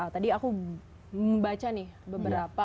tadi aku membaca nih beberapa